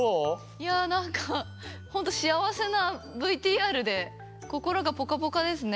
いやなんかホントしあわせなＶＴＲでこころがポカポカですね。